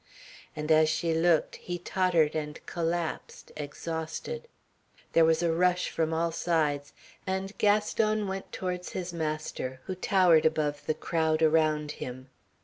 And as she looked he tottered and collapsed exhausted. There was a rush from all sides, and Gaston went towards his master, who towered above the crowd around him.